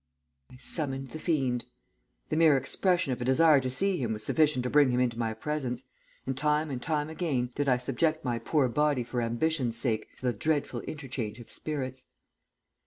"I summoned the fiend. The mere expression of a desire to see him was sufficient to bring him into my presence, and time and time again did I subject my poor body for ambition's sake to the dreadful interchange of spirits.